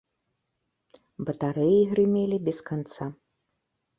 Батарэі грымелі без канца.